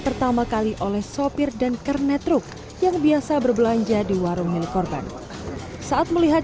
pertama kali oleh sopir dan kernetruk yang biasa berbelanja di warung helikopter saat melihat